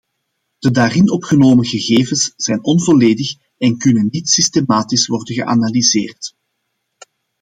De daarin opgenomen gegevens zijn onvolledig en kunnen niet systematisch worden geanalyseerd.